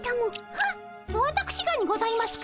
はっわたくしがにございますか？